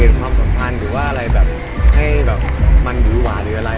ความสัมพันธ์หรือว่าอะไรแบบให้แบบมันหรือหวาหรืออะไร